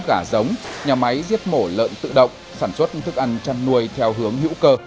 gà giống nhà máy giết mổ lợn tự động sản xuất thức ăn chăn nuôi theo hướng hữu cơ